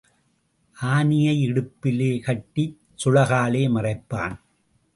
ஆனையை இடுப்பிலே கட்டிச் சுளகாலே மறைப்பான்.